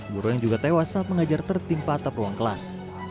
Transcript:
guru yang juga tewas saat mengajar tertimpa atap ruang kelas